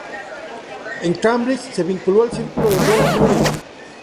En Cambridge se vinculó al Círculo de Bloomsbury.